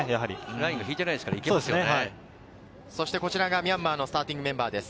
ラインがこちらがミャンマーのスターティングメンバーです。